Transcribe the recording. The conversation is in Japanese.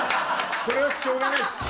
それはしょうがないっす。